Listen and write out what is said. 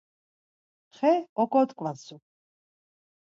Xe oǩot̆ǩvatsu!